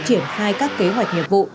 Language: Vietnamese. triển khai các kế hoạch nhiệm vụ